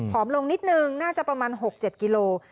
ส้อมลงนิดหนึ่งน่าจะประมาณ๖๗กิโลกรัม